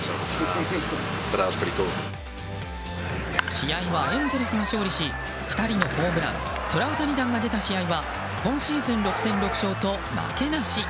試合はエンゼルスが勝利し２人のホームラントラウタニ弾が出た試合は今シーズン６戦６勝と負けなし。